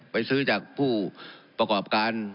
ไปซื้อจากผู้ประกอบการ